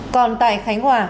còn tại khánh hòa